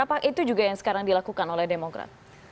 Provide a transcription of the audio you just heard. apa itu juga yang sekarang dilakukan oleh demokrat